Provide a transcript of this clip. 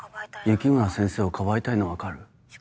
雪村先生を庇いたいのは分かる。